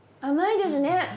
甘いですね。